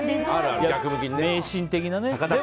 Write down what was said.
迷信的なね。